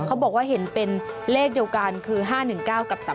เขาบอกว่าเห็นเป็นเลขเดียวกันคือ๕๑๙กับ๓๓